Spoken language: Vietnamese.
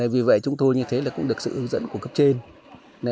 vì vậy chúng tôi cũng được sự hướng dẫn của cấp trên